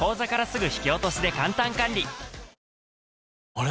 あれ？